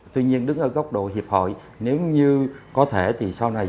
tuy nhiên đứng ở góc độ hiệp hội nếu như có thể thì sau này